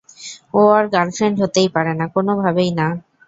ও ওর গার্লফ্রেন্ড হতেই পারে না, কোনোভাবেই না।